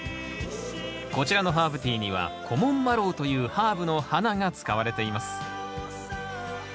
こちらのハーブティーにはコモンマロウというハーブの花が使われています。